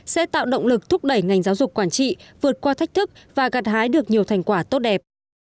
sẽ tạo động lực thúc đẩy ngành giáo dục quản trị vượt qua thách thức và gạt hái được nhiều thành quả tốt đẹp